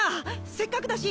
せっかくだし